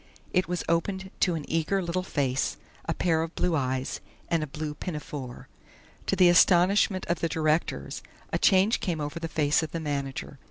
It was opened to an eager little face, a pair of blue eyes, and a blue pinafore. To the astonishment of the directors, a change came over the face of the manager.